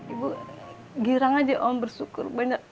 ibu girang aja om bersyukur